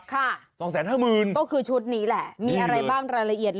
ก็คือชุดนี้แหละมีอะไรบ้างรายละเอียด